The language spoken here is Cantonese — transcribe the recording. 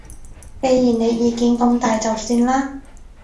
既然你意見咁大就算啦